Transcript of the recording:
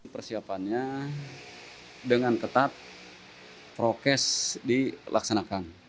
persiapannya dengan ketat prokes dilaksanakan